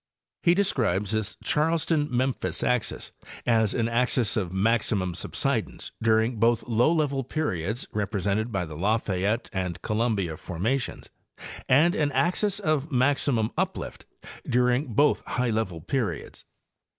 He describes this ' Charleston Memphis axis" * as an axis of maximum subsidence during both low level periods (represented by the Lafayette and Columbia formations) and an axis of maximum uplift during both high level periods.